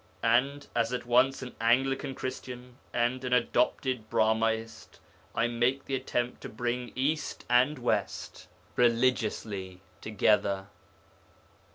And, as at once an Anglican Christian and an adopted Brahmaist, I make the attempt to bring East and West religiously together.